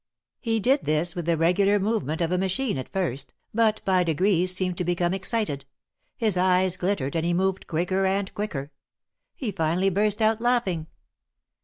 He did this with the regular movement of a machine at first, but by degrees seemed to become excited — his eyes glittered and he moved quicker and quicker. He finally burst out laughing.